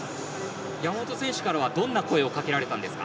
山本選手からはどんな声をかけられたんですか。